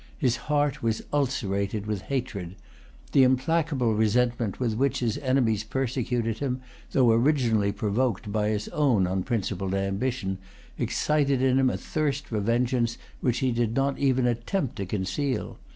His heart was ulcerated with hatred. The implacable resentment with which his enemies persecuted him, though originally provoked by his own unprincipled ambition, excited in him a thirst for vengeance which he did not even attempt to conceal.